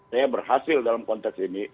saya berhasil dalam konteks ini